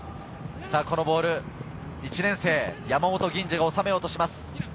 このボール、１年生・山本吟侍が収めようとします。